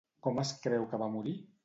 Com es creu que va morir?